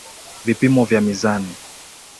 Vipimo vya mizani